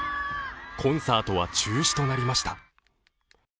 コンサートは中止となりました。